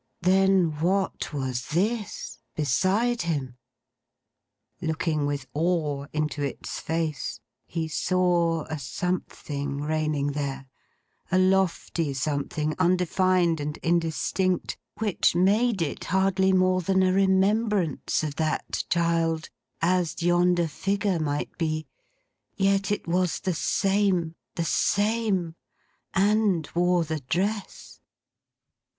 Then what was this, beside him! Looking with awe into its face, he saw a something reigning there: a lofty something, undefined and indistinct, which made it hardly more than a remembrance of that child—as yonder figure might be—yet it was the same: the same: and wore the dress.